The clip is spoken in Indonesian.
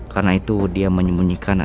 karena itu dia menyembunyikan